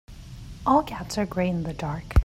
All cats are grey in the dark.